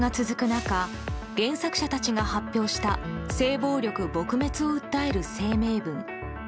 中原作者たちが発表した性暴力撲滅を訴える声明文。